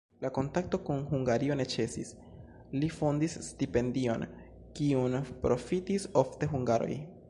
La kontakto kun Hungario ne ĉesis, li fondis stipendion, kiun profitis ofte hungaroj.